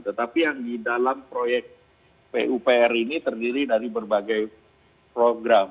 tetapi yang di dalam proyek pupr ini terdiri dari berbagai program